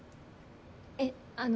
えっあの。